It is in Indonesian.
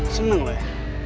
seneng lo ya